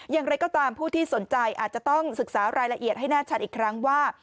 อย่างไรก็ตามผู้ที่สนใจอาจจะต้องศึกษารายละเอียดให้แน่ชัดอีกครั้งว่า